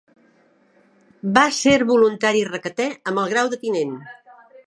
Va ser voluntari requeté amb el grau de tinent.